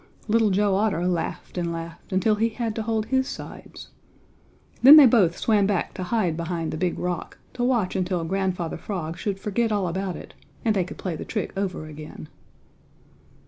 Little Joe Otter laughed and laughed until he had to hold his sides. Then they both swam back to hide behind the Big Rock to watch until Grandfather Frog should forget all about it, and they could play the trick over again.